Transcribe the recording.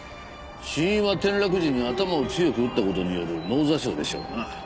死因は転落時に頭を強く打った事による脳挫傷でしょうな。